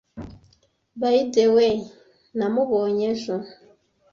By the way, Namubonye ejo.